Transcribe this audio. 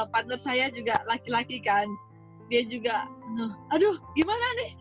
partner saya juga laki laki kan dia juga aduh gimana nih